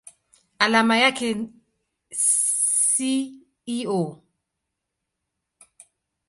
Alama yake ni SiO.